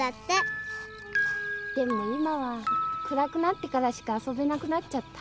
でも今は暗くなってからしか遊べなくなっちゃった。